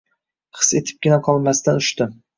His etibgina qolmasdan uchdi.